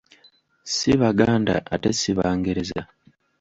Ssi Baganda ate ssi Bangereza.